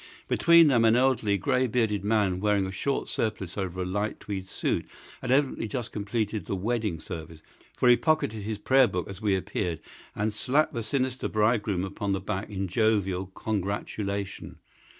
Between them an elderly, grey bearded man, wearing a short surplice over a light tweed suit, had evidently just completed the wedding service, for he pocketed his prayer book as we appeared and slapped the sinister bridegroom upon the back in jovial congratulation.